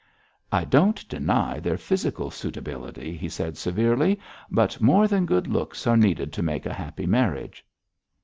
'I don't deny their physical suitability,' he said severely, 'but more than good looks are needed to make a happy marriage.'